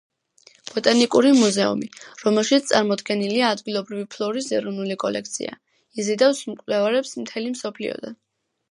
ბოტანიკური მუზეუმი, რომელშიც წარმოდგენილია ადგილობრივი ფლორის ეროვნული კოლექცია, იზიდავს მკვლევარებს მთელი მსოფლიოდან.